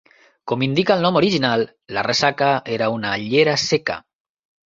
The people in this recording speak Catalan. Com indica el nom original, la ressaca era una llera seca.